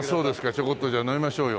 ちょこっとじゃあ飲みましょうよ。